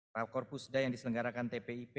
rakor pusda yang diselenggarakan tpip